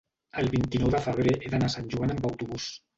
El vint-i-nou de febrer he d'anar a Sant Joan amb autobús.